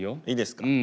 いいですか？